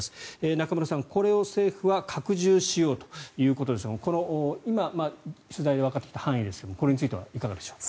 中室さん、これを政府は拡充しようということですが今、取材でわかってきた範囲ですがこれについはいかがでしょう。